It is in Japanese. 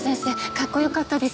かっこよかったです。